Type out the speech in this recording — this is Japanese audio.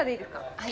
はい。